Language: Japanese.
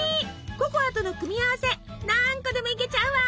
ココアとの組み合わせ何個でもいけちゃうわ！